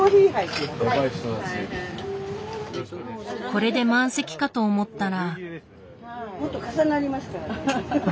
これで満席かと思ったら。